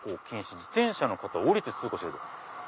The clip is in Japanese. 自転車の方は降りて通行して下さい」。